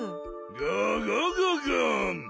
ガガガガン。